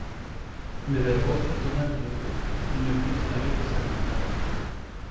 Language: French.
Mais Belle-Rose lui tourna le dos, il ne put distinguer que sa grande taille.